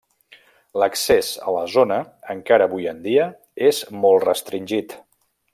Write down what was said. L'accés a la zona, encara avui en dia, és molt restringit.